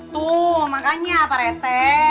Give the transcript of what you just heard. tuh makanya pak rt